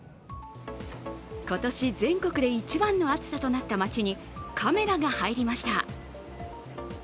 今年全国で一番の暑さとなった町にカメラが入りました。